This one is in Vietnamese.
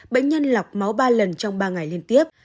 bệnh nhân lọc máu ba lần trong ba ngày liên tiếp